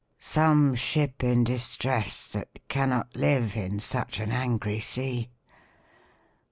'Some ship in distress that cannot live In such an angry sea!'